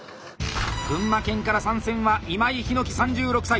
群馬県から参戦は今井陽樹３６歳。